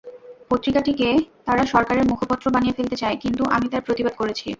পত্রিকাটিকে তারা সরকারের মুখপত্র বানিয়ে ফেলতে চায়, কিন্তু আমি তার প্রতিবাদ করেছি।